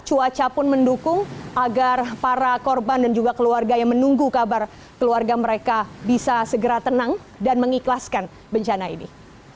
cuaca pun mendukung agar para korban dan juga keluarga yang menunggu kabar keluarga mereka bisa segera tenang dan mengikhlaskan bencana ini